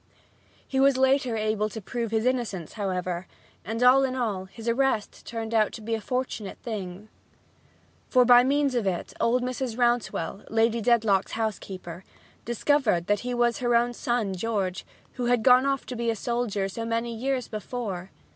He was able later to prove his innocence, however, and, all in all, his arrest turned out to be a fortunate thing. For by means of it old Mrs. Rouncewell, Lady Dedlock's housekeeper, discovered that he was her own son George, who had gone off to be a soldier so many years before.